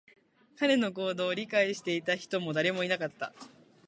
彼の行動を理解していた人も誰もいなかった